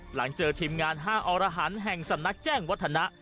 หลังเจอทีมงาน๕อรหันต์แห่งสำนักแจ้งวัฒนะ